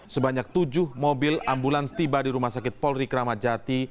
sebanyak tujuh mobil ambulans tiba di rumah sakit polri kramajati